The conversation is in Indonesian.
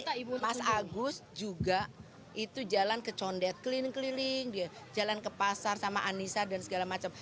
kita mas agus juga itu jalan ke condet keliling keliling jalan ke pasar sama anissa dan segala macam